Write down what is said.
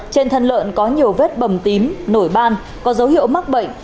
trên thân lợn có nhiều vết bầm tím nổi ban có dấu hiệu mắc bệnh